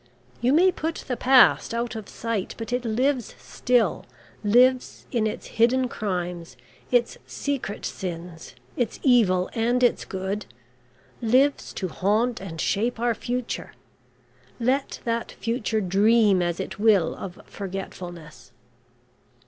You may put the past out of sight, but it lives still lives in its hidden crimes, its secret sins, its evil and its good lives to haunt and shape our future, let that future dream as it will of forgetfulness."